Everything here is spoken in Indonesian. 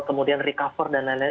kemudian recover dan lain lain